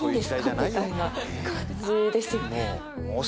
みたいな感じですよね。